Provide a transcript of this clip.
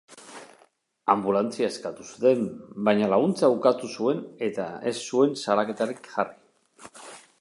Anbulantzia eskatu zuten, baina laguntza ukatu zuen eta ez zuen salaketarik jarri.